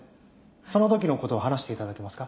そのときのことを話していただけますか。